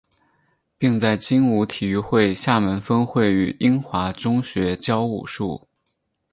并在精武体育会厦门分会与英华中学教武术。